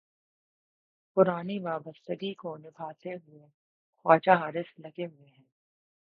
پرانی وابستگی کو نبھاتے ہوئے خواجہ حارث لگے ہوئے ہیں۔